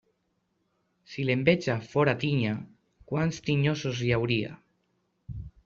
Si l'enveja fóra tinya, quants tinyosos hi hauria.